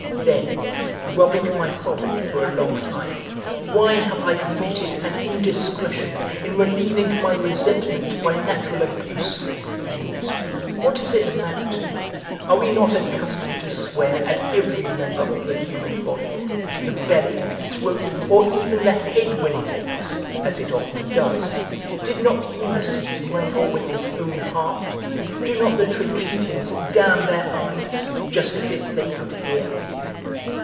Then, rubbing my forehead for a long time, "Why have I committed an indiscretion in relieving my resentment by natural abuse," I mused, "what does it amount to? Are we not accustomed to swear at every member of the human body, the belly, throat, or even the head when it aches, as it often does? Did not Ulysses wrangle with his own heart? Do not the tragedians 'Damn their eyes' just as if they could hear?